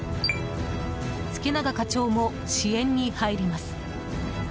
助永課長も支援に入ります。